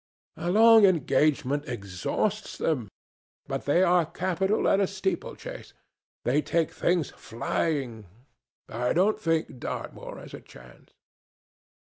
"A long engagement exhausts them, but they are capital at a steeplechase. They take things flying. I don't think Dartmoor has a chance."